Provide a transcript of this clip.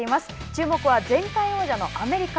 注目は前回王者のアメリカ。